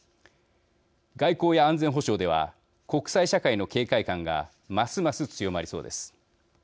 外交や安全保障では国際社会の警戒感がますます強まりそうです。